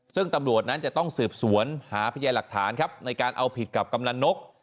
ซึ่งตำรวจนั้นจะต้องสืบสวนหาพยานหลักฐานครับในการเอาผิดกับกำนันนก